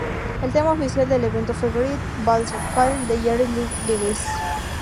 El tema oficial del evento fue ""Great Balls of Fire"" de Jerry Lee Lewis.